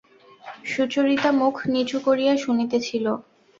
সুচরিতা মুখ নিচু করিয়া শুনিতেছিল।